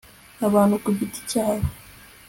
abantu ku giti cyabo